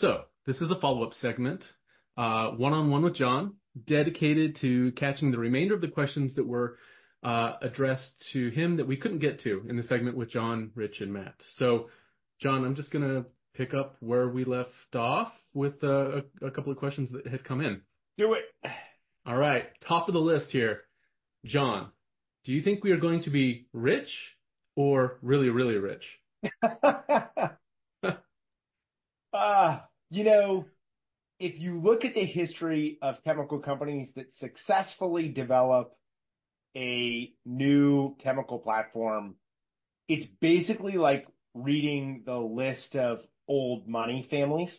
So this is a follow-up segment, one-on-one with John, dedicated to catching the remainder of the questions that were addressed to him that we couldn't get to in the segment with John, Rich, and Matt. So, John, I'm just going to pick up where we left off with a couple of questions that had come in. Do it. All right. Top of the list here. John, do you think we are going to be rich or really, really rich? You know, if you look at the history of chemical companies that successfully develop a new chemical platform, it's basically like reading the list of old money families.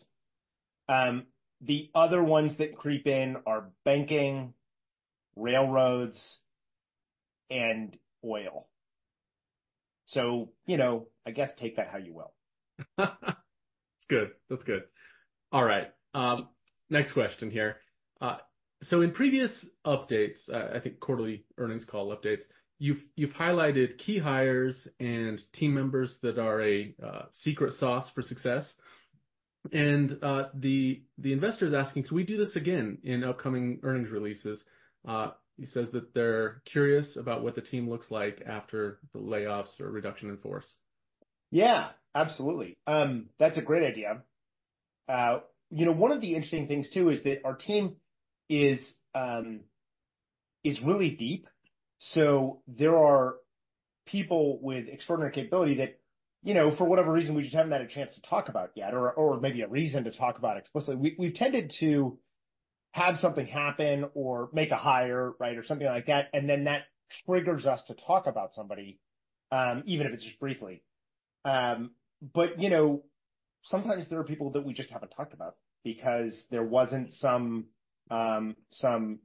The other ones that creep in are banking, railroads, and oil. So, you know, I guess take that how you will. Good. That's good. All right. Next question here, so in previous updates, I think quarterly earnings call updates, you've, you've highlighted key hires and team members that are a secret sauce for success, and the investor is asking, can we do this again in upcoming earnings releases? He says that they're curious about what the team looks like after the layoffs or reduction in force. Yeah, absolutely. That's a great idea. You know, one of the interesting things too is that our team is really deep. So there are people with extraordinary capability that, you know, for whatever reason, we just haven't had a chance to talk about yet, or maybe a reason to talk about explicitly. We've tended to have something happen or make a hire, right, or something like that, and then that triggers us to talk about somebody, even if it's just briefly, but you know, sometimes there are people that we just haven't talked about because there wasn't some triggering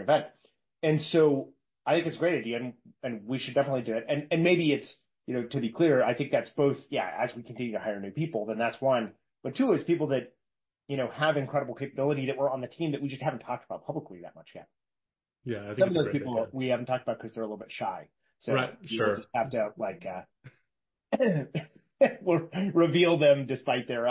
event, and so I think it's a great idea, and we should definitely do it, and maybe it's, you know, to be clear, I think that's both, yeah, as we continue to hire new people, then that's one. But two is people that, you know, have incredible capability that were on the team that we just haven't talked about publicly that much yet. Yeah, I think. Some of those people we haven't talked about because they're a little bit shy. Right, sure. So we just have to, like, reveal them despite their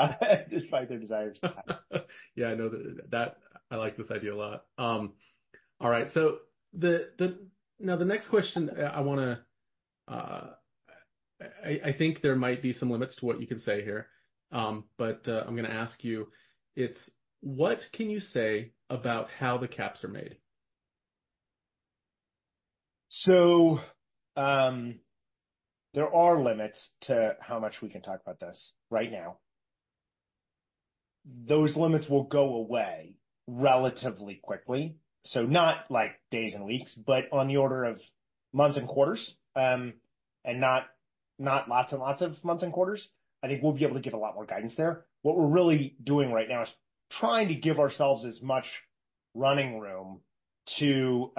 desires to hire. Yeah, I know that I like this idea a lot. All right. So now the next question I want to, I think there might be some limits to what you can say here. But I'm going to ask you, it's what can you say about how the caps are made? There are limits to how much we can talk about this right now. Those limits will go away relatively quickly. Not like days and weeks, but on the order of months and quarters, and not, not lots and lots of months and quarters. I think we'll be able to give a lot more guidance there. What we're really doing right now is trying to give ourselves as much running room to,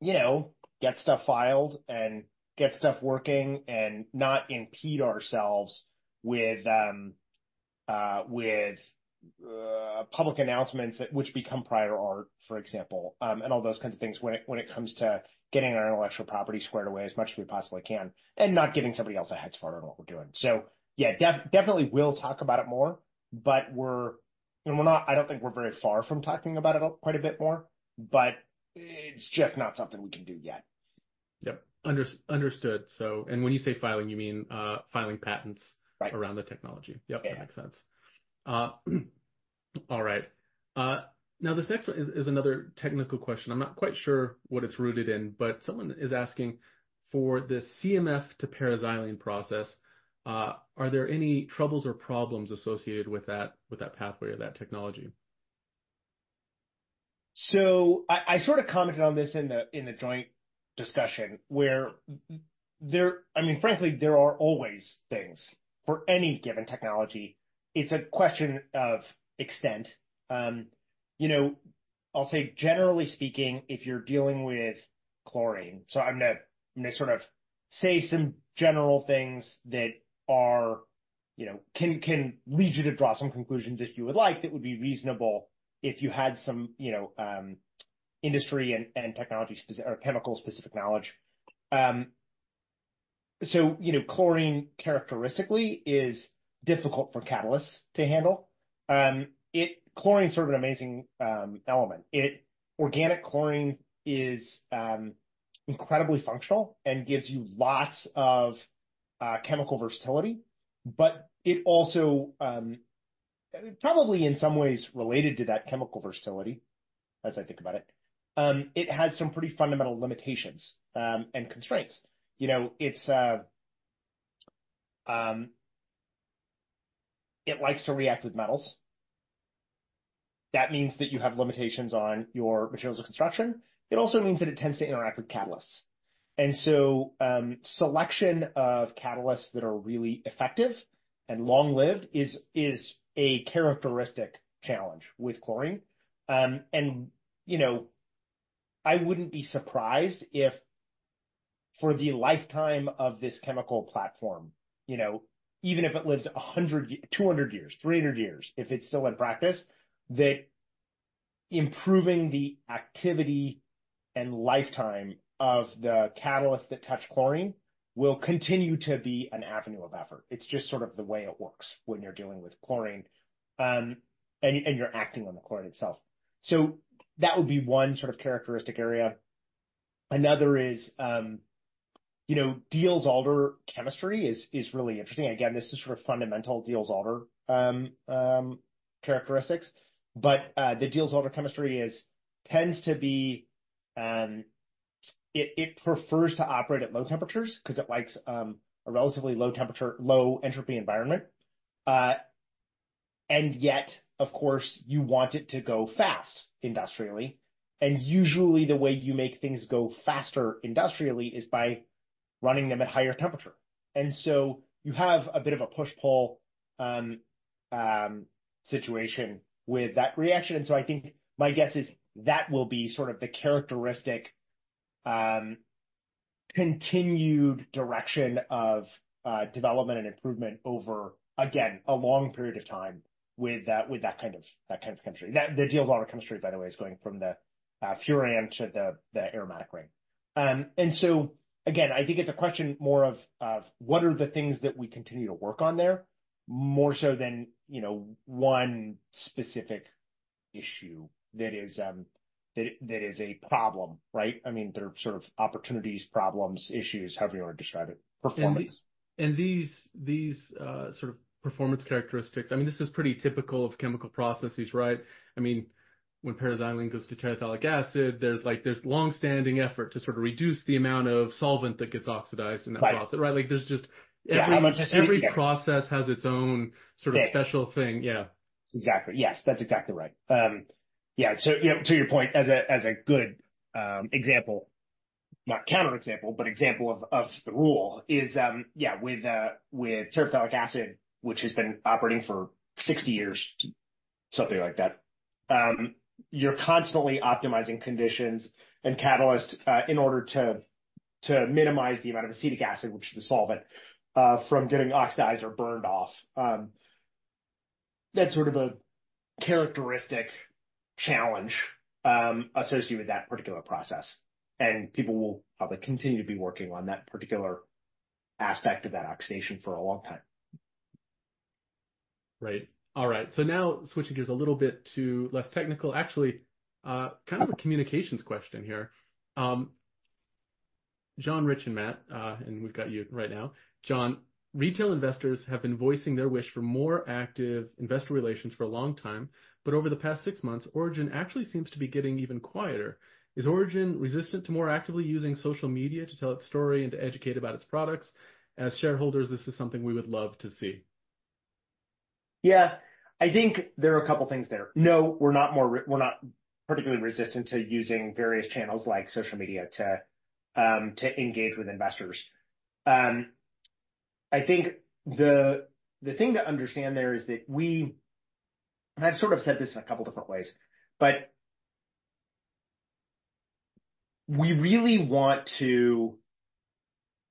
you know, get stuff filed and get stuff working and not impede ourselves with, with, public announcements that which become prior art, for example, and all those kinds of things when, when it comes to getting our intellectual property squared away as much as we possibly can and not giving somebody else a head start on what we're doing. So, yeah, definitely we'll talk about it more, but I don't think we're very far from talking about it quite a bit more, but it's just not something we can do yet. Yep. Understood. So, when you say filing, you mean filing patents? Right. Around the technology. Yep, that makes sense. All right. Now this next one is another technical question. I'm not quite sure what it's rooted in, but someone is asking for the CMF to para-xylene process. Are there any troubles or problems associated with that, with that pathway or that technology? So I sort of commented on this in the joint discussion where there, I mean, frankly, there are always things for any given technology. It's a question of extent. You know, I'll say generally speaking, if you're dealing with chlorine, so I'm going to sort of say some general things that are, you know, can lead you to draw some conclusions that you would like that would be reasonable if you had some, you know, industry and technology specific or chemical specific knowledge. So, you know, chlorine characteristically is difficult for catalysts to handle. Chlorine is sort of an amazing element. Organic chlorine is incredibly functional and gives you lots of chemical versatility, but it also, probably in some ways related to that chemical versatility, as I think about it, it has some pretty fundamental limitations and constraints. You know, it's, it likes to react with metals. That means that you have limitations on your materials of construction. It also means that it tends to interact with catalysts. And so, selection of catalysts that are really effective and long-lived is a characteristic challenge with chlorine, and you know, I wouldn't be surprised if for the lifetime of this chemical platform, you know, even if it lives 100, 200 years, 300 years, if it's still in practice, that improving the activity and lifetime of the catalyst that touched chlorine will continue to be an avenue of effort. It's just sort of the way it works when you're dealing with chlorine, and you're acting on the chlorine itself. So that would be one sort of characteristic area. Another is, you know, Diels-Alder chemistry is really interesting. Again, this is sort of fundamental Diels-Alder characteristics, but the Diels-Alder chemistry tends to be. It prefers to operate at low temperatures because it likes a relatively low temperature, low entropy environment. And yet, of course, you want it to go fast industrially. And usually the way you make things go faster industrially is by running them at higher temperature. And so you have a bit of a push-pull situation with that reaction. And so I think my guess is that will be sort of the characteristic continued direction of development and improvement over, again, a long period of time with that kind of chemistry. That the Diels-Alder chemistry, by the way, is going from the furan to the aromatic ring. And so again, I think it's a question more of what are the things that we continue to work on there more so than, you know, one specific issue that is a problem, right? I mean, there are sort of opportunities, problems, issues, however you want to describe it. These sort of performance characteristics, I mean, this is pretty typical of chemical processes, right? I mean, when para-xylene goes to terephthalic acid, there's like long-standing effort to sort of reduce the amount of solvent that gets oxidized in that process, right? Like there's just every process has its own sort of special thing. Yeah. Exactly. Yes, that's exactly right. Yeah. So, you know, to your point, as a, as a good, example, not counterexample, but example of, of the rule is, yeah, with, with terephthalic acid, which has been operating for 60 years, something like that, you're constantly optimizing conditions and catalysts, in order to, to minimize the amount of acetic acid, which is the solvent, from getting oxidized or burned off. That's sort of a characteristic challenge, associated with that particular process. And people will probably continue to be working on that particular aspect of that oxidation for a long time. Right. All right. So now switching gears a little bit to less technical, actually, kind of a communications question here. John, Rich, and Matt, and we've got you right now. John, retail investors have been voicing their wish for more active investor relations for a long time, but over the past six months, Origin actually seems to be getting even quieter. Is Origin resistant to more actively using social media to tell its story and to educate about its products? As shareholders, this is something we would love to see. Yeah, I think there are a couple of things there. No, we're not particularly resistant to using various channels like social media to engage with investors. I think the thing to understand there is that we, and I've sort of said this in a couple of different ways, but we really want to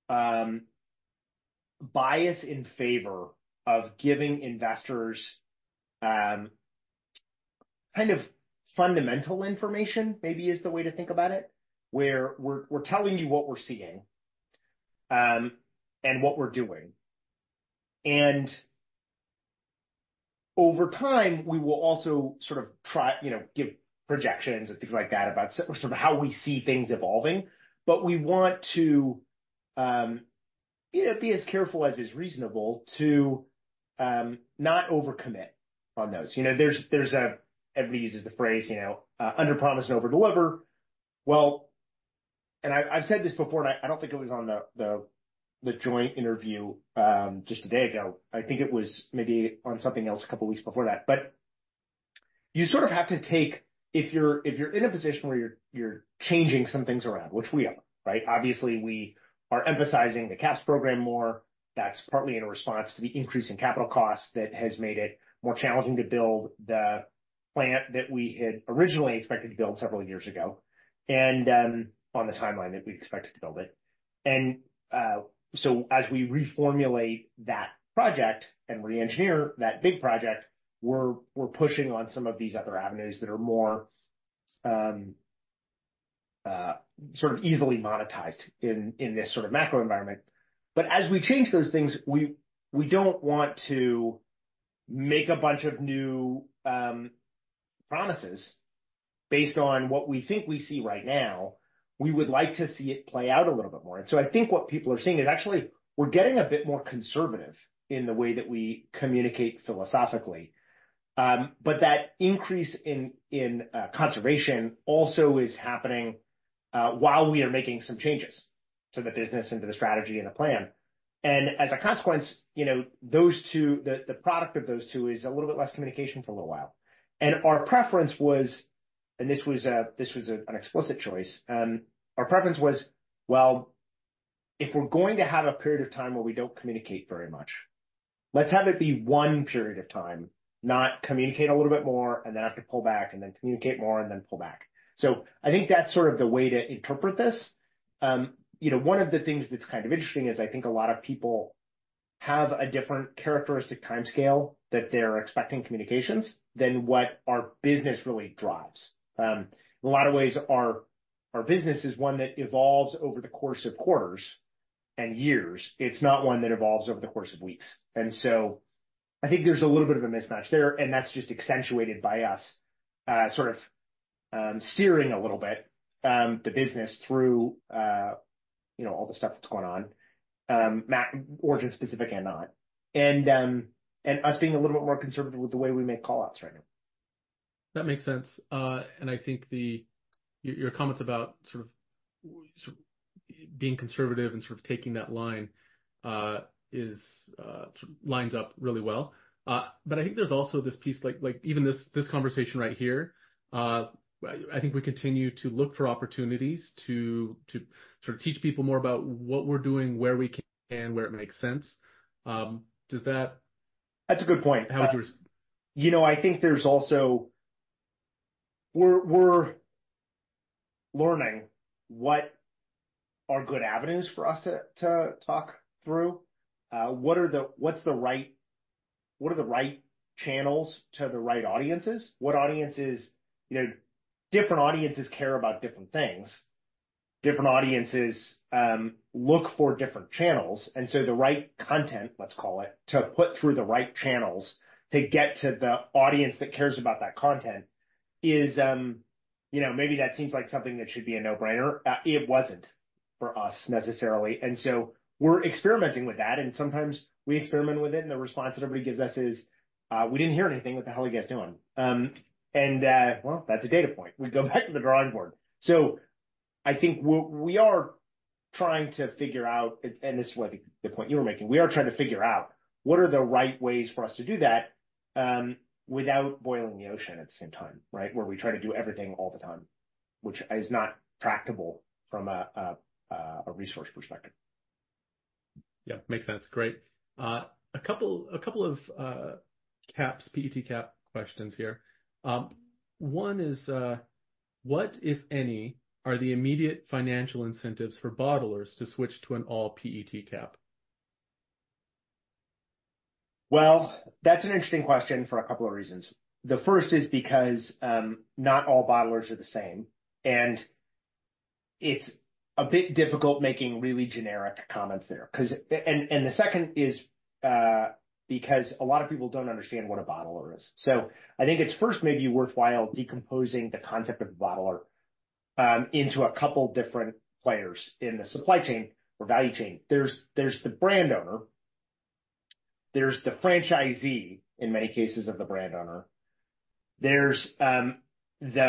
bias in favor of giving investors kind of fundamental information maybe is the way to think about it, where we're telling you what we're seeing, and what we're doing. And over time, we will also sort of try, you know, give projections and things like that about sort of how we see things evolving, but we want to, you know, be as careful as is reasonable to not overcommit on those. You know, there's everybody uses the phrase, you know, underpromise and overdeliver. I've said this before, and I don't think it was on the joint interview just a day ago. I think it was maybe on something else a couple of weeks before that, but you sort of have to take if you're in a position where you're changing some things around, which we are, right? Obviously, we are emphasizing the caps program more. That's partly in response to the increase in capital costs that has made it more challenging to build the plant that we had originally expected to build several years ago and on the timeline that we expected to build it. So as we reformulate that project and re-engineer that big project, we're pushing on some of these other avenues that are more sort of easily monetized in this sort of macro environment. But as we change those things, we don't want to make a bunch of new promises based on what we think we see right now. We would like to see it play out a little bit more. And so I think what people are seeing is actually we're getting a bit more conservative in the way that we communicate philosophically, but that increase in conservation also is happening while we are making some changes to the business and to the strategy and to the plan. And as a consequence, you know, those two, the product of those two is a little bit less communication for a little while. And our preference was, and this was an explicit choice. Our preference was, well, if we're going to have a period of time where we don't communicate very much, let's have it be one period of time, not communicate a little bit more and then have to pull back and then communicate more and then pull back, so I think that's sort of the way to interpret this. You know, one of the things that's kind of interesting is I think a lot of people have a different characteristic timescale that they're expecting communications than what our business really drives. In a lot of ways, our business is one that evolves over the course of quarters and years. It's not one that evolves over the course of weeks. I think there's a little bit of a mismatch there, and that's just accentuated by us sort of steering a little bit the business through, you know, all the stuff that's going on, Matt, Origin specific and not, and us being a little bit more conservative with the way we make callouts right now. That makes sense, and I think your comments about sort of being conservative and sort of taking that line is sort of lines up really well. But I think there's also this piece, like even this conversation right here, I think we continue to look for opportunities to sort of teach people more about what we're doing, where we can and where it makes sense. Does that? That's a good point. How would you? You know, I think there's also we're learning what are good avenues for us to talk through. What are the, what's the right, what are the right channels to the right audiences? What audiences, you know, different audiences care about different things. Different audiences look for different channels. And so the right content, let's call it, to put through the right channels to get to the audience that cares about that content is, you know, maybe that seems like something that should be a no-brainer. It wasn't for us necessarily. And so we're experimenting with that. And sometimes we experiment with it. And the response that everybody gives us is, we didn't hear anything. What the hell are you guys doing? And, well, that's a data point. We go back to the drawing board. So I think what we are trying to figure out, and this is what the point you were making, we are trying to figure out what are the right ways for us to do that, without boiling the ocean at the same time, right? Where we try to do everything all the time, which is not tractable from a resource perspective. Yeah, makes sense. Great. A couple of caps, PET cap questions here. One is, what if any are the immediate financial incentives for bottlers to switch to an all PET cap? That's an interesting question for a couple of reasons. The first is because not all bottlers are the same, and it's a bit difficult making really generic comments there. The second is because a lot of people don't understand what a bottler is, so I think it's first maybe worthwhile decomposing the concept of a bottler into a couple of different players in the supply chain or value chain. There's the brand owner, there's the franchisee in many cases of the brand owner, there's the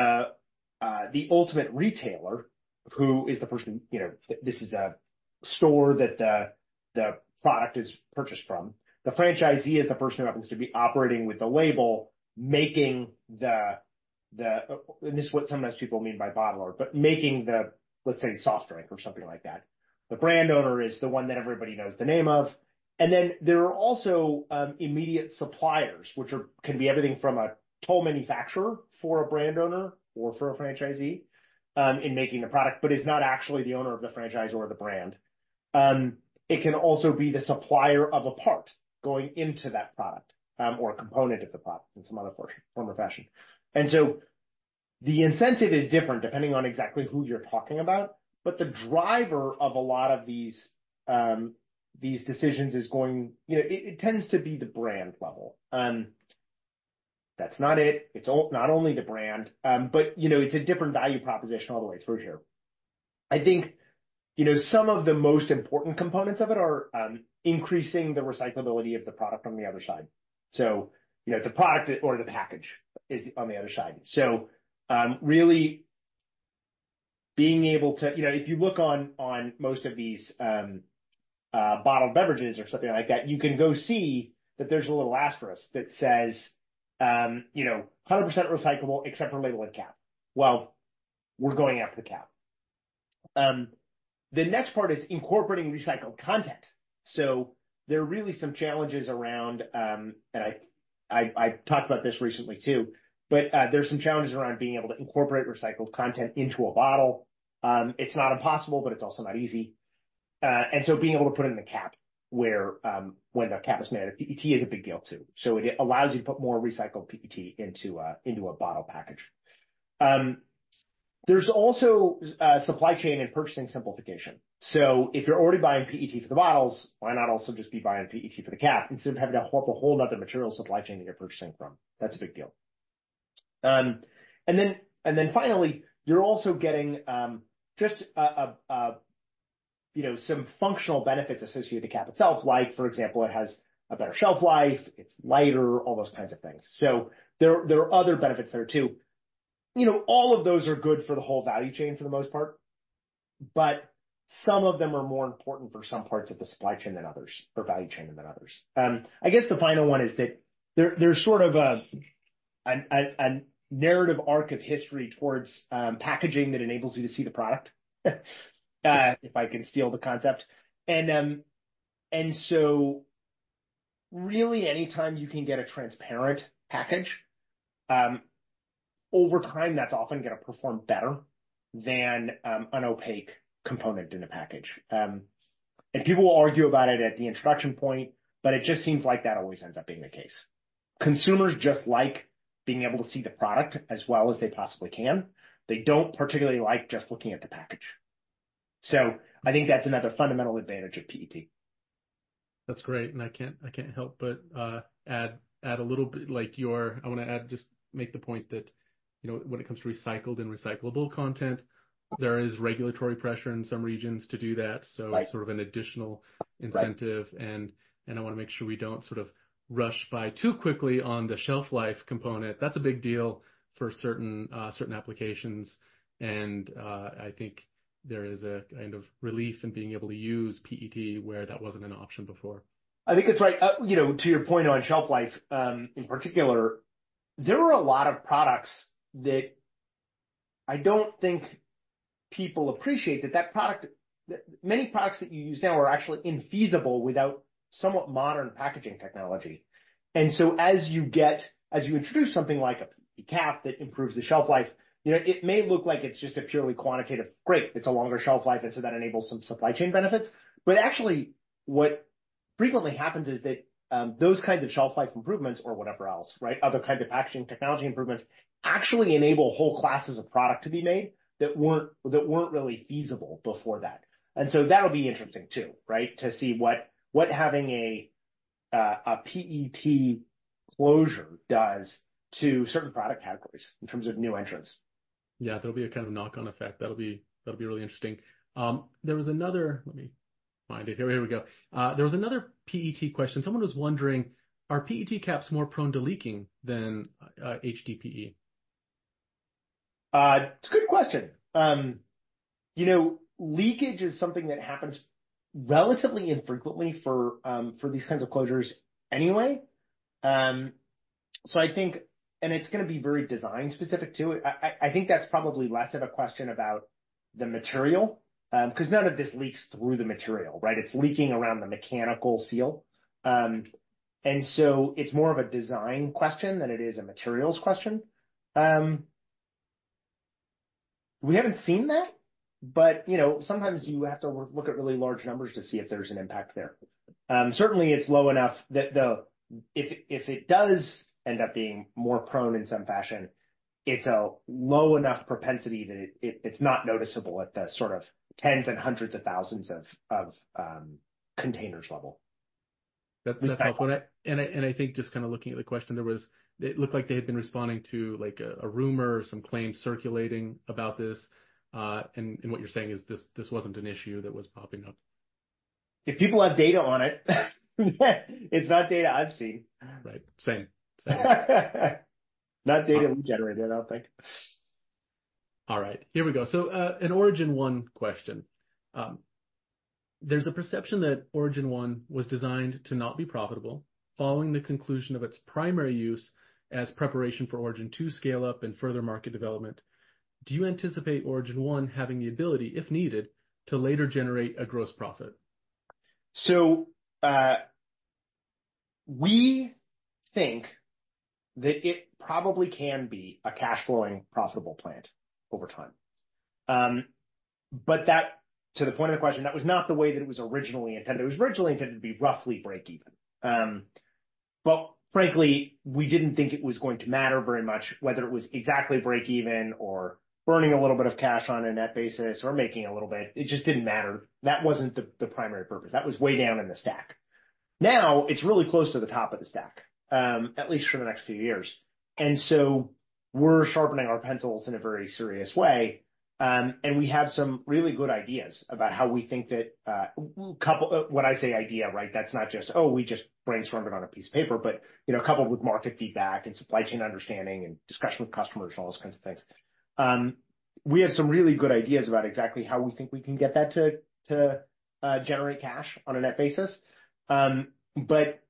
ultimate retailer who is the person, you know, this is a store that the product is purchased from. The franchisee is the person who happens to be operating with the label, making the and this is what sometimes people mean by bottler, but making the, let's say, soft drink or something like that. The brand owner is the one that everybody knows the name of. Then there are also immediate suppliers, which can be everything from a toll manufacturer for a brand owner or for a franchisee in making the product, but is not actually the owner of the franchise or the brand. It can also be the supplier of a part going into that product, or a component of the product in some other form or fashion. So the incentive is different depending on exactly who you're talking about, but the driver of a lot of these decisions is, you know, it tends to be the brand level. That's not it. It's not only the brand, but, you know, it's a different value proposition all the way through here. I think, you know, some of the most important components of it are increasing the recyclability of the product on the other side. So, you know, the product or the package is on the other side. So, really being able to, you know, if you look on most of these bottled beverages or something like that, you can go see that there's a little asterisk that says, you know, 100% recyclable except for label and cap. Well, we're going after the cap. The next part is incorporating recycled content. So there are really some challenges around, and I talked about this recently too, but there's some challenges around being able to incorporate recycled content into a bottle. It's not impossible, but it's also not easy, and so being able to put it in the cap where, when the cap is made, PET is a big deal too. So it allows you to put more recycled PET into a bottle package. There's also supply chain and purchasing simplification. So if you're already buying PET for the bottles, why not also just be buying PET for the cap instead of having to hook a whole nother material supply chain that you're purchasing from? That's a big deal, and then finally, you're also getting just a, you know, some functional benefits associated with the cap itself, like, for example, it has a better shelf life, it's lighter, all those kinds of things. So there are other benefits there too. You know, all of those are good for the whole value chain for the most part, but some of them are more important for some parts of the supply chain than others, or value chain than others. I guess the final one is that there's sort of a narrative arc of history towards packaging that enables you to see the product, if I can steal the concept. And so really anytime you can get a transparent package, over time, that's often going to perform better than an opaque component in a package. People will argue about it at the introduction point, but it just seems like that always ends up being the case. Consumers just like being able to see the product as well as they possibly can. They don't particularly like just looking at the package. So I think that's another fundamental advantage of PET. That's great. And I can't help but add a little bit. I want to add, just make the point that, you know, when it comes to recycled and recyclable content, there is regulatory pressure in some regions to do that. So sort of an additional incentive. And I want to make sure we don't sort of rush by too quickly on the shelf life component. That's a big deal for certain applications. And I think there is a kind of relief in being able to use PET where that wasn't an option before. I think it's right. You know, to your point on shelf life, in particular, there are a lot of products that I don't think people appreciate that many products that you use now are actually infeasible without somewhat modern packaging technology. And so as you introduce something like a PET cap that improves the shelf life, you know, it may look like it's just a purely quantitative, great, it's a longer shelf life. And so that enables some supply chain benefits. But actually what frequently happens is that, those kinds of shelf life improvements or whatever else, right, other kinds of packaging technology improvements actually enable whole classes of product to be made that weren't really feasible before that. And so that'll be interesting too, right? To see what having a PET closure does to certain product categories in terms of new entrants. Yeah, there'll be a kind of knock-on effect. That'll be, that'll be really interesting. There was another, let me find it here. Here we go. There was another PET question. Someone was wondering, are PET caps more prone to leaking than HDPE? It's a good question. You know, leakage is something that happens relatively infrequently for these kinds of closures anyway, so I think, and it's going to be very design specific too. I think that's probably less of a question about the material, because none of this leaks through the material, right? It's leaking around the mechanical seal, and so it's more of a design question than it is a materials question. We haven't seen that, but you know, sometimes you have to look at really large numbers to see if there's an impact there. Certainly it's low enough that if it does end up being more prone in some fashion, it's a low enough propensity that it's not noticeable at the sort of tens and hundreds of thousands of containers level. That's a tough one, and I think just kind of looking at the question, it looked like they had been responding to like a rumor or some claim circulating about this, and what you're saying is this wasn't an issue that was popping up. If people have data on it, it's not data I've seen. Right. Same. Same. Not data generated, I don't think. All right. Here we go. So, an Origin One question. There's a perception that Origin One was designed to not be profitable following the conclusion of its primary use as preparation for Origin Two scale-up and further market development. Do you anticipate Origin One having the ability, if needed, to later generate a gross profit? So, we think that it probably can be a cash-flowing profitable plant over time. But that, to the point of the question, that was not the way that it was originally intended. It was originally intended to be roughly break even. But frankly, we didn't think it was going to matter very much whether it was exactly break even or burning a little bit of cash on a net basis or making a little bit. It just didn't matter. That wasn't the primary purpose. That was way down in the stack. Now it's really close to the top of the stack, at least for the next few years. And so we're sharpening our pencils in a very serious way. And we have some really good ideas about how we think that, couple what I say idea, right? That's not just, oh, we just brainstormed it on a piece of paper, but, you know, coupled with market feedback and supply chain understanding and discussion with customers and all those kinds of things. We have some really good ideas about exactly how we think we can get that to generate cash on a net basis. But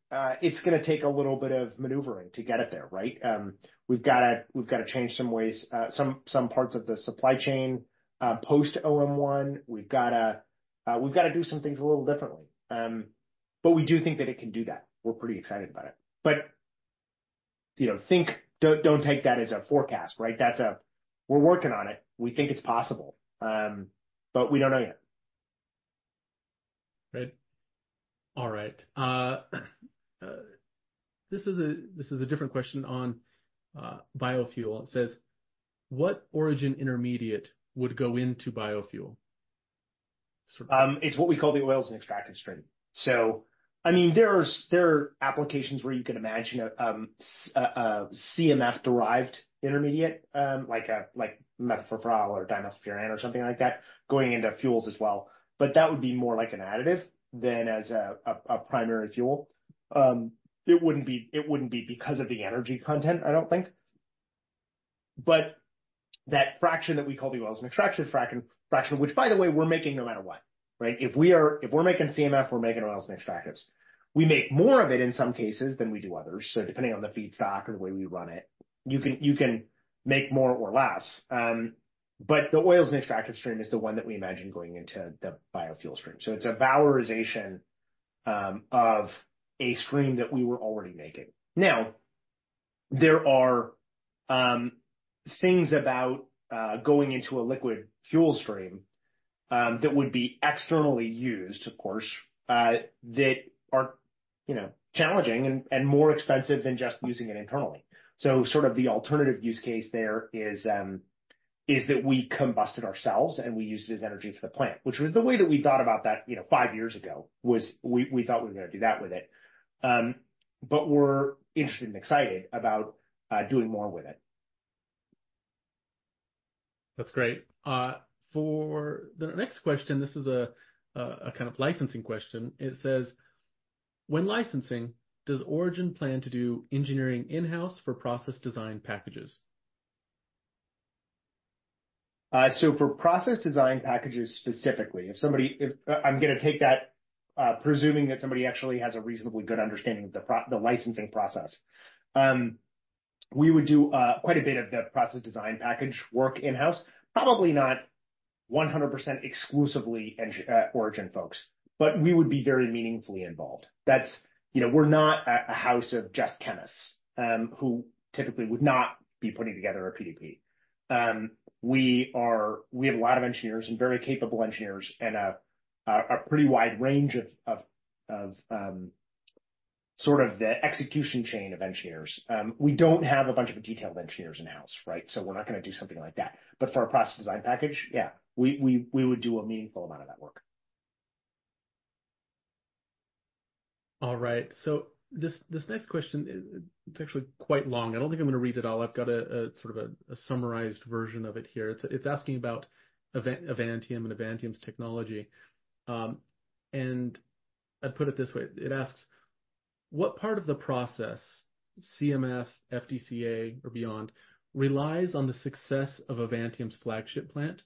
it's going to take a little bit of maneuvering to get it there, right? We've got to change some ways, some parts of the supply chain, post OM1. We've got to do some things a little differently. But we do think that it can do that. We're pretty excited about it. But you know, think, don't take that as a forecast, right? That's a, we're working on it. We think it's possible. But we don't know yet. Right. All right. This is a, this is a different question on biofuel. It says, what Origin intermediate would go into biofuel? It's what we call the oils and extractives stream. I mean, there are applications where you can imagine a CMF-derived intermediate, like methylfuran or dimethylfuran or something like that going into fuels as well. But that would be more like an additive than as a primary fuel. It wouldn't be because of the energy content, I don't think. But that fraction that we call the oils and extractives fraction, which by the way, we're making no matter what, right? If we're making CMF, we're making oils and extractives. We make more of it in some cases than we do others. Depending on the feedstock or the way we run it, you can make more or less. But the oils and extractives stream is the one that we imagine going into the biofuel stream. So it's a valorization of a stream that we were already making. Now, there are things about going into a liquid fuel stream that would be externally used, of course, that are, you know, challenging and more expensive than just using it internally. So sort of the alternative use case there is that we combust it ourselves and we use it as energy for the plant, which was the way that we thought about that, you know, five years ago was we thought we were going to do that with it. But we're interested and excited about doing more with it. That's great. For the next question, this is a kind of licensing question. It says, when licensing, does Origin plan to do engineering in-house for process design packages? So for process design packages specifically, if somebody, if I'm going to take that, presuming that somebody actually has a reasonably good understanding of the licensing process, we would do quite a bit of the process design package work in-house, probably not 100% exclusively engineers, Origin folks, but we would be very meaningfully involved. That's, you know, we're not a house of just chemists, who typically would not be putting together a PDP. We are. We have a lot of engineers and very capable engineers and a pretty wide range of sort of the execution chain of engineers. We don't have a bunch of detailed engineers in-house, right? So we're not going to do something like that. But for a process design package, yeah, we would do a meaningful amount of that work. All right. So this next question, it's actually quite long. I don't think I'm going to read it all. I've got a sort of a summarized version of it here. It's asking about Avantium and Avantium's technology, and I'd put it this way. It asks, what part of the process, CMF, FDCA, or beyond, relies on the success of Avantium's flagship plant?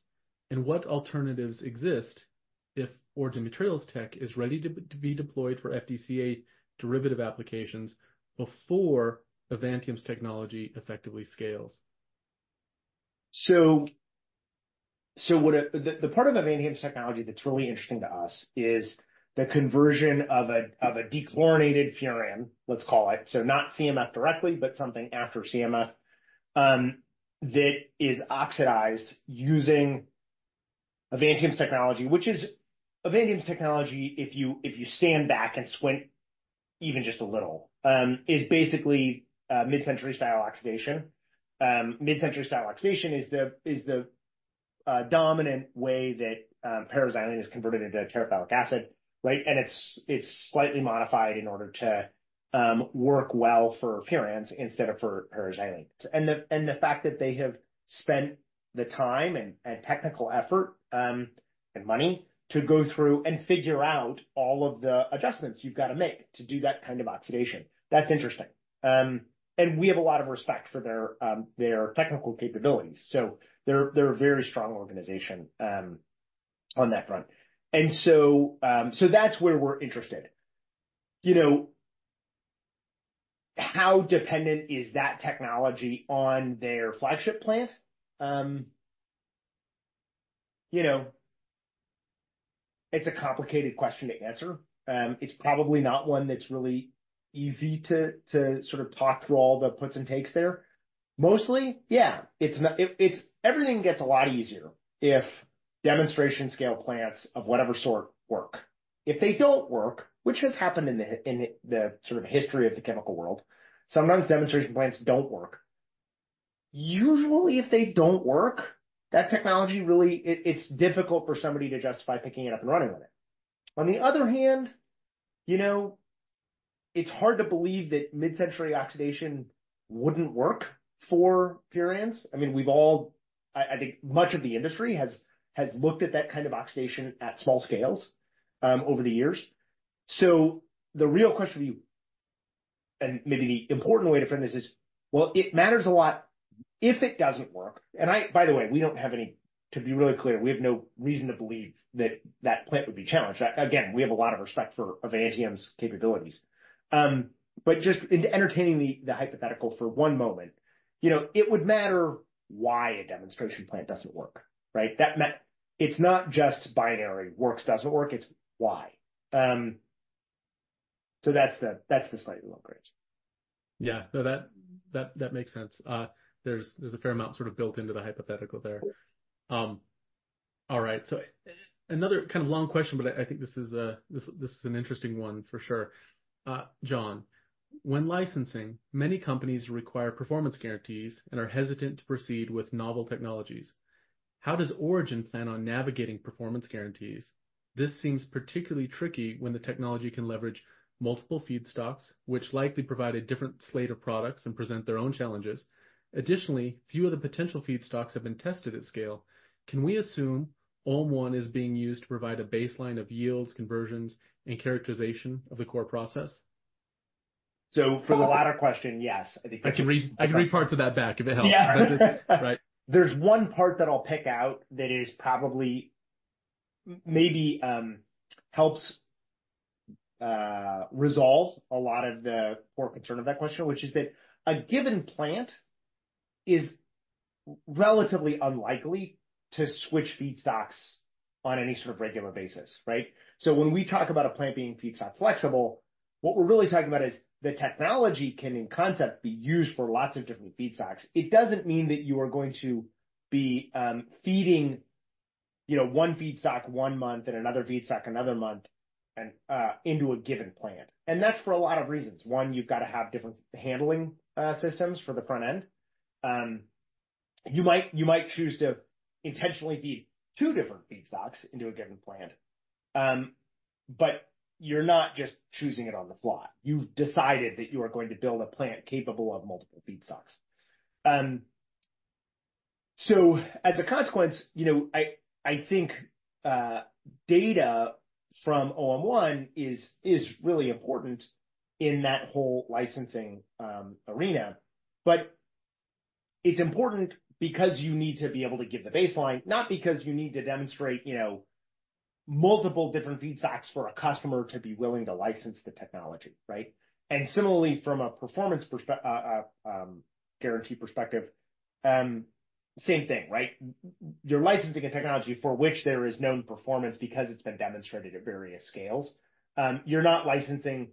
And what alternatives exist if Origin Materials tech is ready to be deployed for FDCA derivative applications before Avantium's technology effectively scales? So what the part of Avantium's technology that's really interesting to us is the conversion of a dechlorinated furan, let's call it. So not CMF directly, but something after CMF, that is oxidized using Avantium's technology, which is Avantium's technology, if you stand back and squint even just a little, is basically Mid-Century style oxidation. Mid-Century style oxidation is the dominant way that p-xylene is converted into terephthalic acid, right? And it's slightly modified in order to work well for furan instead of for p-xylene. And the fact that they have spent the time and technical effort, and money to go through and figure out all of the adjustments you've got to make to do that kind of oxidation. That's interesting. And we have a lot of respect for their technical capabilities. So they're a very strong organization on that front. And so that's where we're interested. You know, how dependent is that technology on their flagship plant? You know, it's a complicated question to answer. It's probably not one that's really easy to sort of talk through all the puts and takes there. Mostly, yeah, everything gets a lot easier if demonstration scale plants of whatever sort work. If they don't work, which has happened in the sort of history of the chemical world, sometimes demonstration plants don't work. Usually if they don't work, that technology really, it's difficult for somebody to justify picking it up and running with it. On the other hand, you know, it's hard to believe that metal-catalyzed oxidation wouldn't work for furans. I mean, we've all, I think much of the industry has looked at that kind of oxidation at small scales, over the years. So the real question would be, and maybe the important way to frame this is, well, it matters a lot if it doesn't work. And I, by the way, we don't have any, to be really clear, we have no reason to believe that that plant would be challenged. Again, we have a lot of respect for Avantium's capabilities. But just entertaining the hypothetical for one moment, you know, it would matter why a demonstration plant doesn't work, right? That meant it's not just binary works doesn't work, it's why. So that's the slightly longer answer. Yeah. No, that makes sense. There's a fair amount sort of built into the hypothetical there. All right. So another kind of long question, but I think this is an interesting one for sure. John, when licensing, many companies require performance guarantees and are hesitant to proceed with novel technologies. How does Origin plan on navigating performance guarantees? This seems particularly tricky when the technology can leverage multiple feedstocks, which likely provide a different slate of products and present their own challenges. Additionally, few of the potential feedstocks have been tested at scale. Can we assume OM1 is being used to provide a baseline of yields, conversions, and characterization of the core process? So for the latter question, yes, I think. I can read, I can read parts of that back if it helps. Yeah. Right. There's one part that I'll pick out that is probably maybe helps resolve a lot of the core concern of that question, which is that a given plant is relatively unlikely to switch feedstocks on any sort of regular basis, right, so when we talk about a plant being feedstock flexible, what we're really talking about is the technology can in concept be used for lots of different feedstocks. It doesn't mean that you are going to be feeding you know one feedstock one month and another feedstock another month and into a given plant, and that's for a lot of reasons. One, you've got to have different handling systems for the front end. You might choose to intentionally feed two different feedstocks into a given plant, but you're not just choosing it on the fly. You've decided that you are going to build a plant capable of multiple feedstocks. So as a consequence, you know, I think data from OM1 is really important in that whole licensing arena. But it's important because you need to be able to give the baseline, not because you need to demonstrate, you know, multiple different feedstocks for a customer to be willing to license the technology, right? And similarly, from a performance perspective, guarantee perspective, same thing, right? You're licensing a technology for which there is known performance because it's been demonstrated at various scales. You're not licensing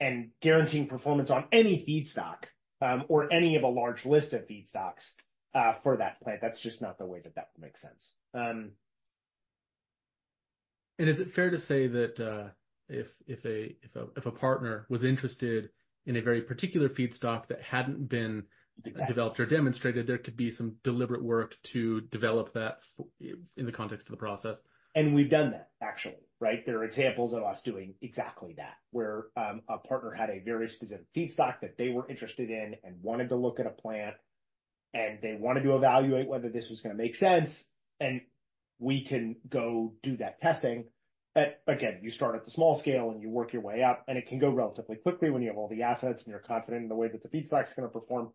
and guaranteeing performance on any feedstock, or any of a large list of feedstocks, for that plant. That's just not the way that that would make sense. Is it fair to say that, if a partner was interested in a very particular feedstock that hadn't been developed or demonstrated, there could be some deliberate work to develop that in the context of the process? We've done that actually, right? There are examples of us doing exactly that where a partner had a very specific feedstock that they were interested in and wanted to look at a plant, and they wanted to evaluate whether this was going to make sense, and we can go do that testing. Again, you start at the small scale and you work your way up, and it can go relatively quickly when you have all the assets and you're confident in the way that the feedstock is going to perform.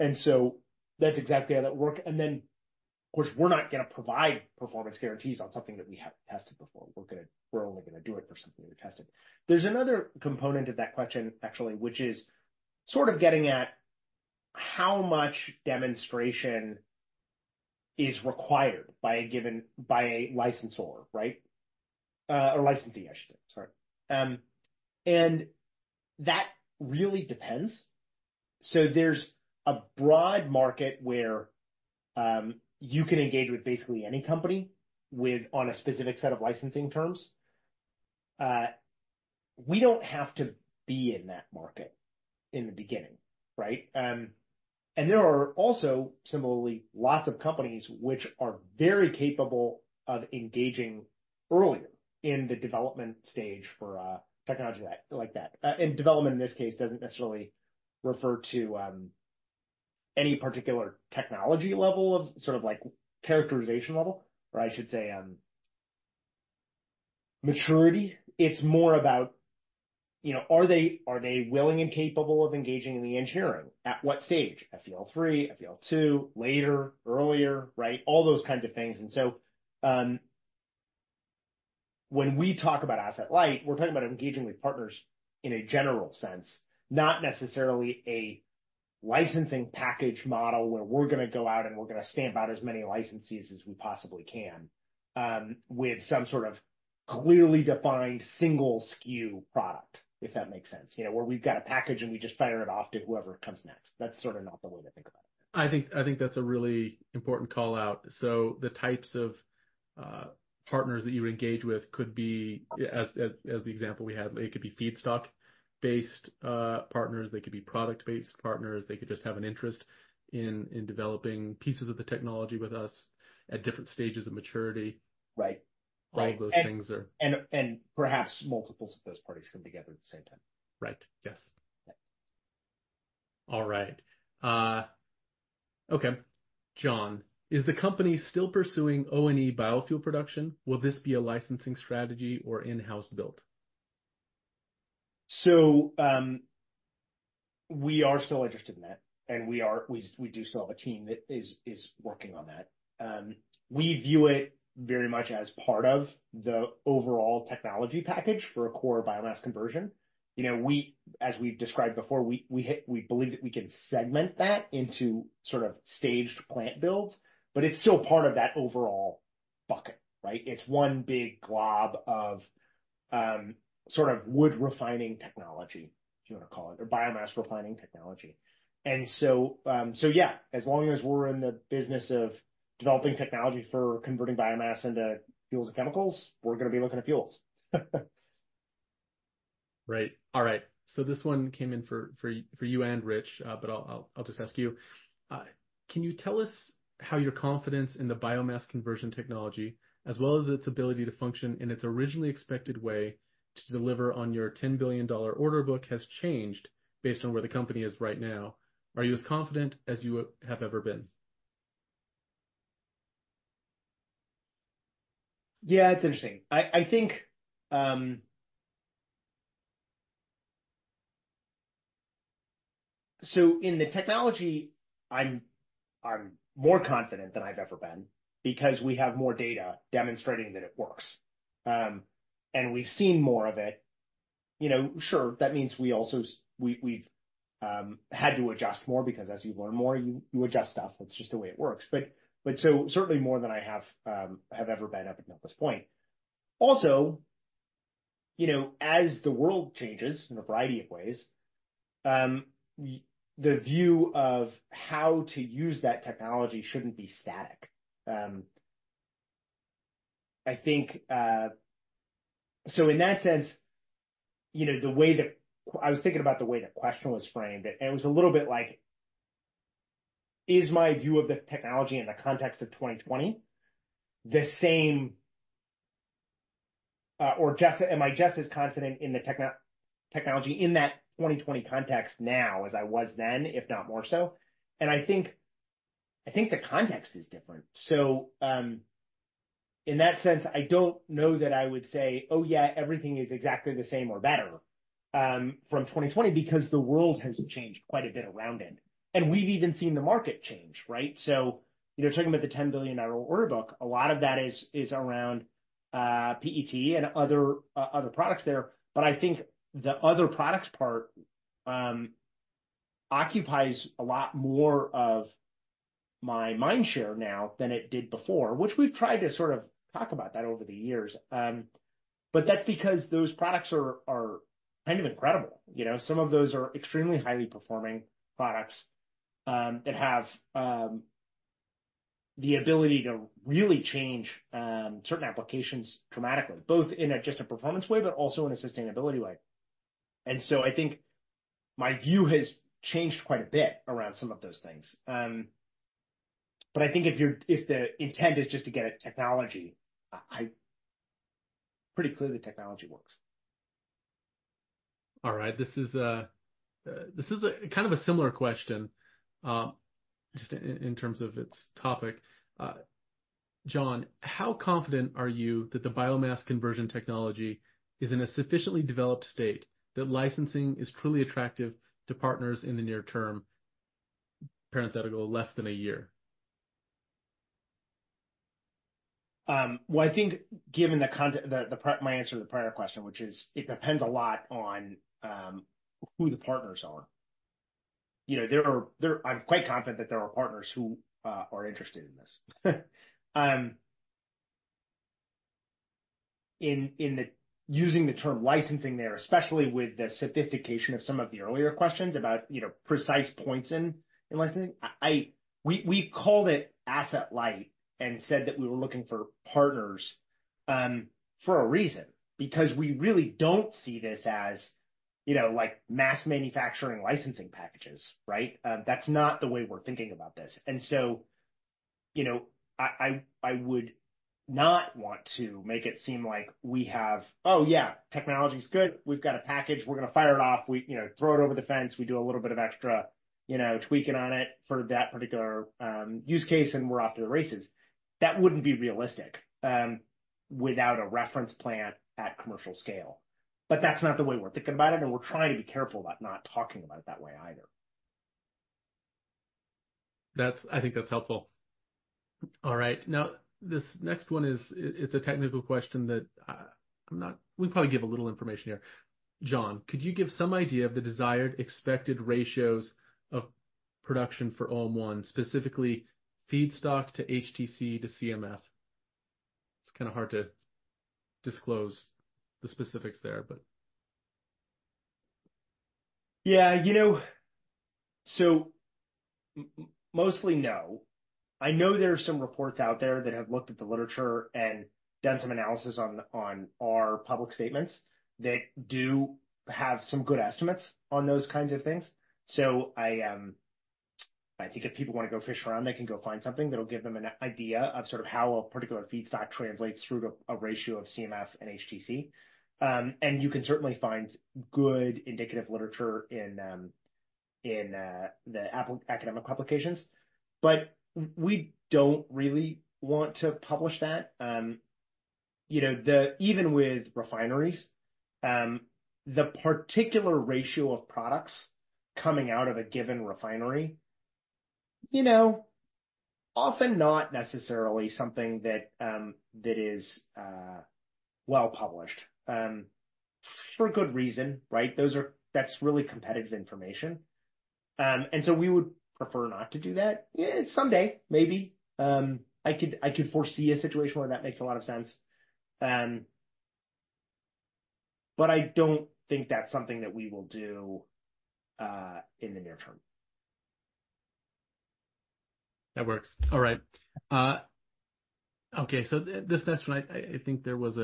That's exactly how that would work. Of course, we're not going to provide performance guarantees on something that we haven't tested before. We're going to, we're only going to do it for something we've tested. There's another component of that question actually, which is sort of getting at how much demonstration is required by a given, by a licensor, right? Or licensing, I should say. Sorry. And that really depends. So there's a broad market where you can engage with basically any company with, on a specific set of licensing terms. We don't have to be in that market in the beginning, right? And there are also similarly lots of companies which are very capable of engaging earlier in the development stage for technology that like that. And development in this case doesn't necessarily refer to any particular technology level of sort of like characterization level, or I should say, maturity. It's more about, you know, are they willing and capable of engaging in the engineering at what stage? FEL3, FEL2, later, earlier, right? All those kinds of things. And so, when we talk about asset light, we're talking about engaging with partners in a general sense, not necessarily a licensing package model where we're going to go out and we're going to stamp out as many licenses as we possibly can, with some sort of clearly defined single SKU product, if that makes sense, you know, where we've got a package and we just fire it off to whoever comes next. That's sort of not the way to think about it. I think that's a really important call out. So the types of partners that you engage with could be, as the example we had, it could be feedstock based partners. They could be product based partners. They could just have an interest in developing pieces of the technology with us at different stages of maturity. Right. All of those things are. Perhaps multiples of those parties come together at the same time. Right. Yes. Yeah. All right, okay. John, is the company still pursuing O&E biofuel production? Will this be a licensing strategy or in-house built? So, we are still interested in that. And we are. We do still have a team that is working on that. We view it very much as part of the overall technology package for a core biomass conversion. You know, as we've described before, we think we can segment that into sort of staged plant builds, but it's still part of that overall bucket, right? It's one big glob of sort of wood refining technology, if you want to call it, or biomass refining technology. And so yeah, as long as we're in the business of developing technology for converting biomass into fuels and chemicals, we're going to be looking at fuels. Right. All right. So this one came in for you and Rich, but I'll just ask you, can you tell us how your confidence in the biomass conversion technology, as well as its ability to function in its originally expected way to deliver on your $10 billion order book has changed based on where the company is right now? Are you as confident as you have ever been? Yeah, it's interesting. I think, so in the technology, I'm more confident than I've ever been because we have more data demonstrating that it works, and we've seen more of it. You know, sure, that means we also we've had to adjust more because as you learn more, you adjust stuff. That's just the way it works, but so certainly more than I have ever been up until this point. Also, you know, as the world changes in a variety of ways, the view of how to use that technology shouldn't be static. I think, so in that sense, you know, the way that I was thinking about the way the question was framed, and it was a little bit like, is my view of the technology in the context of 2020 the same, or just, am I just as confident in the technology in that 2020 context now as I was then, if not more so?, and I think, I think the context is different, so in that sense, I don't know that I would say, oh yeah, everything is exactly the same or better, from 2020 because the world has changed quite a bit around it, and we've even seen the market change, right?, so you know, talking about the $10 billion order book, a lot of that is, is around, PET and other, other products there. But I think the other products part occupies a lot more of my mind share now than it did before, which we've tried to sort of talk about that over the years. But that's because those products are kind of incredible. You know, some of those are extremely highly performing products that have the ability to really change certain applications dramatically, both in just a performance way, but also in a sustainability way. And so I think my view has changed quite a bit around some of those things. But I think if you're if the intent is just to get a technology, I pretty clearly the technology works. All right. This is a kind of a similar question, just in terms of its topic. John, how confident are you that the biomass conversion technology is in a sufficiently developed state that licensing is truly attractive to partners in the near term (less than a year)? I think given the context of my answer to the prior question, which is it depends a lot on who the partners are. You know, there are. I'm quite confident that there are partners who are interested in this. In using the term licensing there, especially with the sophistication of some of the earlier questions about, you know, precise points in licensing, we called it asset light and said that we were looking for partners for a reason because we really don't see this as, you know, like mass manufacturing licensing packages, right? That's not the way we're thinking about this. So, you know, I would not want to make it seem like we have, oh yeah, technology's good. We've got a package. We're going to fire it off. You know, throw it over the fence. We do a little bit of extra, you know, tweaking on it for that particular use case, and we're off to the races. That wouldn't be realistic without a reference plant at commercial scale. But that's not the way we're thinking about it. And we're trying to be careful about not talking about it that way either. That's, I think that's helpful. All right. Now, this next one is; it's a technical question that I'm not. We probably give a little information here. John, could you give some idea of the desired expected ratios of production for OM1, specifically feedstock to HTC to CMF? It's kind of hard to disclose the specifics there, but. Yeah, you know, so mostly no. I know there are some reports out there that have looked at the literature and done some analysis on our public statements that do have some good estimates on those kinds of things. So I think if people want to go fish around, they can go find something that'll give them an idea of sort of how a particular feedstock translates through to a ratio of CMF and HTC, and you can certainly find good indicative literature in the academic publications, but we don't really want to publish that, you know, even with refineries, the particular ratio of products coming out of a given refinery, you know, often not necessarily something that is well published, for good reason, right? Those are, that's really competitive information, and so we would prefer not to do that. Someday, maybe. I could, I could foresee a situation where that makes a lot of sense. But I don't think that's something that we will do, in the near term. That works. All right. Okay. So this next one, I think there was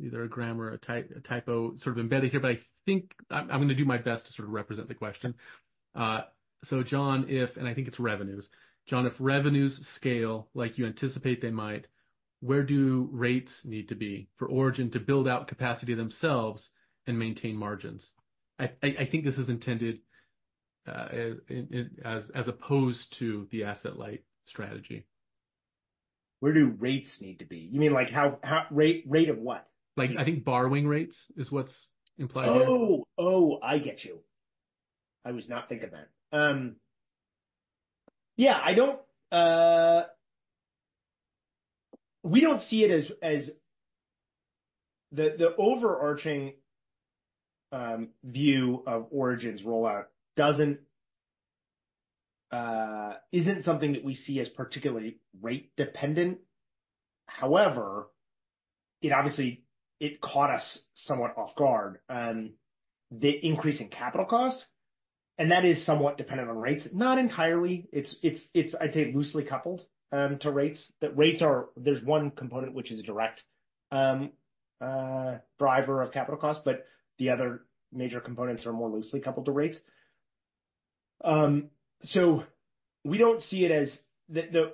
either a grammar or a typo sort of embedded here, but I think I'm going to do my best to sort of represent the question. So John, and I think it's revenues. John, if revenues scale like you anticipate they might, where do rates need to be for Origin to build out capacity themselves and maintain margins? I think this is intended as opposed to the asset light strategy. Where do rates need to be? You mean like how rate of what? Like, I think borrowing rates is what's implied. Oh, oh, I get you. I was not thinking that. Yeah, I don't. We don't see it as the overarching view of Origin's rollout doesn't isn't something that we see as particularly rate dependent. However, it obviously caught us somewhat off guard. The increase in capital cost, and that is somewhat dependent on rates. Not entirely. It's, I'd say loosely coupled to rates. That rates are, there's one component which is a direct driver of capital costs, but the other major components are more loosely coupled to rates. So we don't see it as the.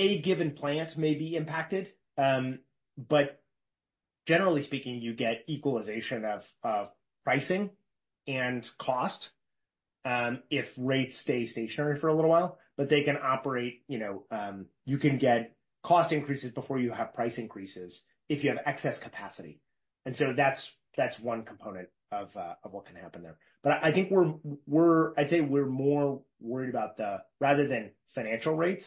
A given plant may be impacted. But generally speaking, you get equalization of pricing and cost if rates stay stationary for a little while, but they can operate, you know, you can get cost increases before you have price increases if you have excess capacity. And so that's one component of what can happen there. But I think we're more worried about, rather than financial rates,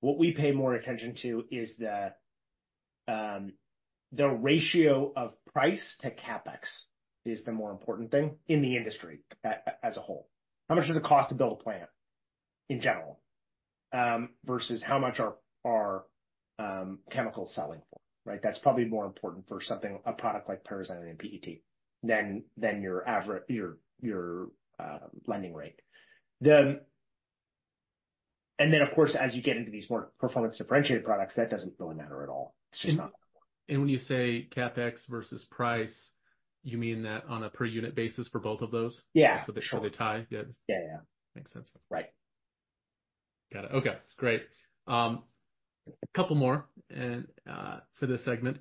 what we pay more attention to is the ratio of price to CapEx is the more important thing in the industry as a whole. How much does it cost to build a plant in general, versus how much are chemicals selling for, right? That's probably more important for something, a product like para-xylene and PET than your average lending rate. And then of course, as you get into these more performance differentiated products, that doesn't really matter at all. It's just not that important. When you say CapEx versus price, you mean that on a per unit basis for both of those? Yeah. So they tie? Yeah. Yeah, yeah. Makes sense. Right. Got it. Okay. Great. A couple more and, for this segment.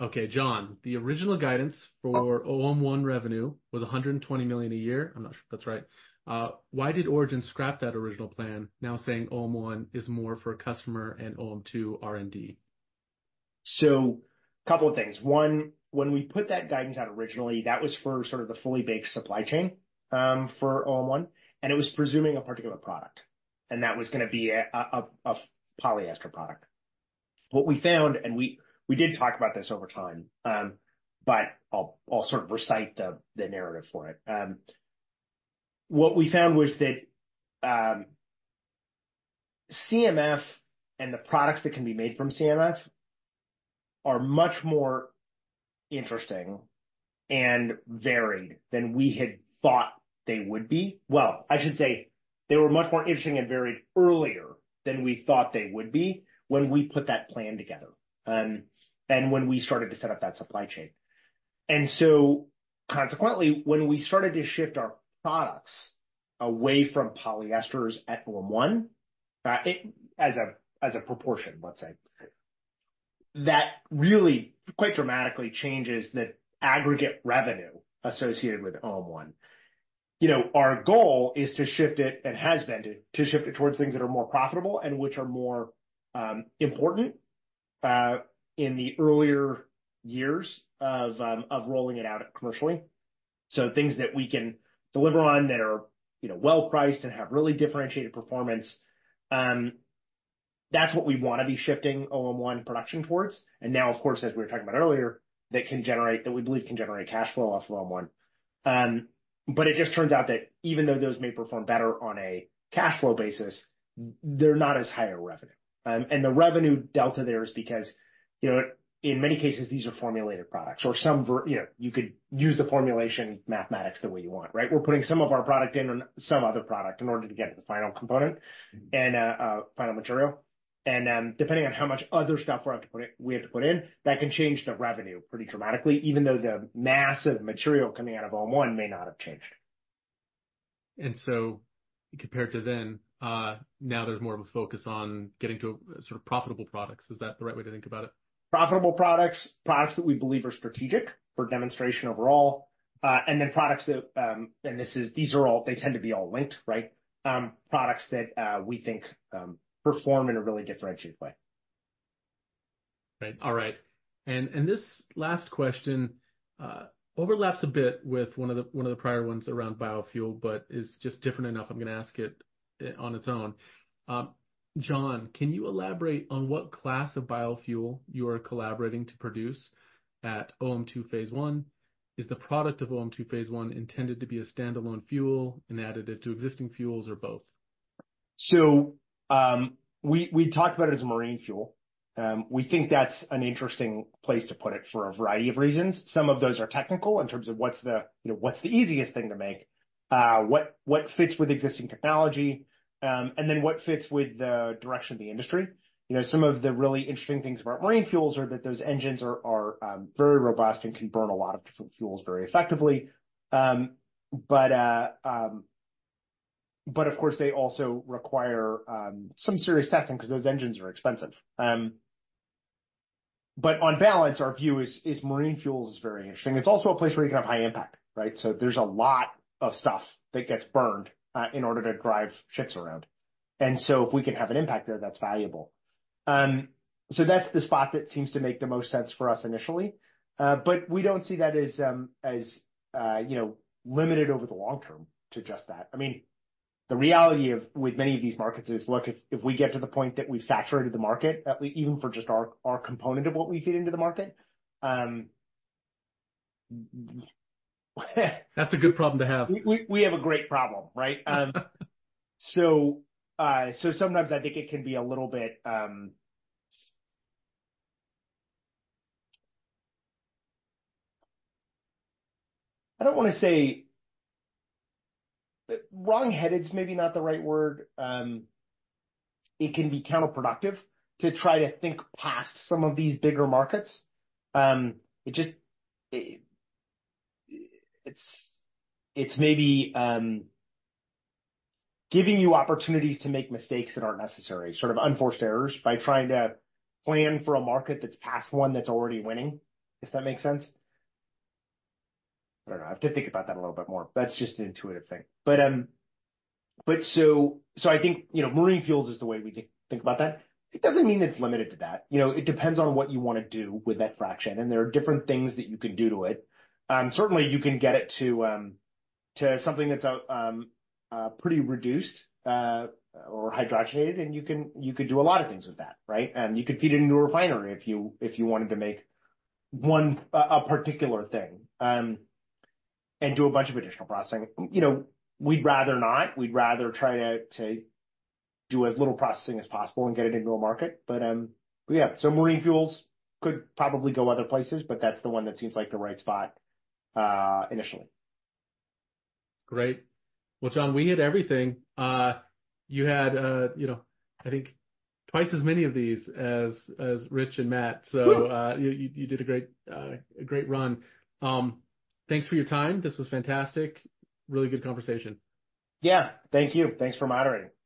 Okay. John, the original guidance for OM1 revenue was $120 million a year. I'm not sure if that's right. Why did Origin scrap that original plan, now saying OM1 is more for a customer and OM2 R&D? So a couple of things. One, when we put that guidance out originally, that was for sort of the fully baked supply chain, for OM1, and it was presuming a particular product, and that was going to be a polyester product. What we found, and we did talk about this over time, but I'll sort of recite the narrative for it. What we found was that CMF and the products that can be made from CMF are much more interesting and varied than we had thought they would be. Well, I should say they were much more interesting and varied earlier than we thought they would be when we put that plan together, and when we started to set up that supply chain. And so consequently, when we started to shift our products away from polyesters at OM1, it as a proportion, let's say, that really quite dramatically changes the aggregate revenue associated with OM1. You know, our goal is to shift it and has been to shift it towards things that are more profitable and which are more important in the earlier years of rolling it out commercially. So things that we can deliver on that are, you know, well priced and have really differentiated performance. That's what we want to be shifting OM1 production towards. And now, of course, as we were talking about earlier, that we believe can generate cash flow off of OM1. But it just turns out that even though those may perform better on a cash flow basis, they're not as high a revenue. and the revenue delta there is because, you know, in many cases, these are formulated products or, you know, you could use the formulation mathematics the way you want, right? We're putting some of our product in and some other product in order to get to the final component and final material. And depending on how much other stuff we're up to put in that we have to put in, that can change the revenue pretty dramatically, even though the mass of material coming out of OM1 may not have changed. Compared to then, now there's more of a focus on getting to sort of profitable products. Is that the right way to think about it? Profitable products, products that we believe are strategic for demonstration overall, and then products that, and this is, these are all, they tend to be all linked, right? products that we think perform in a really differentiated way. Right. All right. And this last question overlaps a bit with one of the prior ones around biofuel, but is just different enough. I'm going to ask it on its own. John, can you elaborate on what class of biofuel you are collaborating to produce at OM2 Phase I? Is the product of OM2 Phase I intended to be a standalone fuel and added to existing fuels or both? So, we talked about it as a marine fuel. We think that's an interesting place to put it for a variety of reasons. Some of those are technical in terms of what's the easiest thing to make, you know, what fits with existing technology, and then what fits with the direction of the industry. You know, some of the really interesting things about marine fuels are that those engines are very robust and can burn a lot of different fuels very effectively. But of course, they also require some serious testing because those engines are expensive. But on balance, our view is marine fuels is very interesting. It's also a place where you can have high impact, right? So there's a lot of stuff that gets burned in order to drive ships around. And so if we can have an impact there, that's valuable. So that's the spot that seems to make the most sense for us initially. But we don't see that as, you know, limited over the long term to just that. I mean, the reality with many of these markets is, look, if we get to the point that we've saturated the market, at least even for just our component of what we feed into the market. That's a good problem to have. We have a great problem, right? So sometimes I think it can be a little bit. I don't want to say wrongheaded is maybe not the right word. It can be counterproductive to try to think past some of these bigger markets. It just, it's maybe giving you opportunities to make mistakes that aren't necessary, sort of unforced errors by trying to plan for a market that's past one that's already winning, if that makes sense. I don't know. I have to think about that a little bit more. That's just an intuitive thing, but so I think, you know, marine fuels is the way we think about that. It doesn't mean it's limited to that. You know, it depends on what you want to do with that fraction, and there are different things that you can do to it. Certainly you can get it to, to something that's oxidized, pretty reduced, or hydrogenated, and you can, you could do a lot of things with that, right? And you could feed it into a refinery if you, if you wanted to make one, a particular thing, and do a bunch of additional processing. You know, we'd rather not. We'd rather try to, to do as little processing as possible and get it into a market. But, yeah, so marine fuels could probably go other places, but that's the one that seems like the right spot, initially. Great. Well, John, we hit everything. You had, you know, I think twice as many of these as Rich and Matt. So, you did a great run. Thanks for your time. This was fantastic. Really good conversation. Yeah. Thank you. Thanks for moderating.